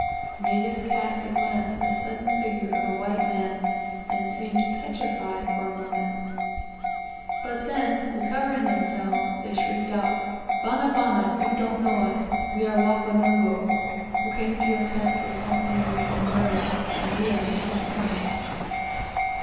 The natives cast a glance at the sudden figure of a white man, and seemed petrified for a moment, but then, recovering themselves, they shrieked out, "Bana, bana, you don't know us. We are Wakonongo, who came to your camp to accompany you to Mrera, and we are looking for honey."